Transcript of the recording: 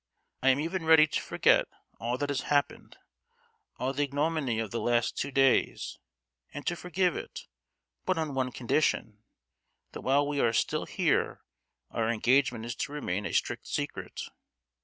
I am even ready to forget all that has happened; all the ignominy of the last two days, and to forgive it—but on one condition: that while we are still here our engagement is to remain a strict secret.